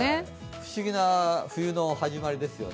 不思議な冬の始まりですよね。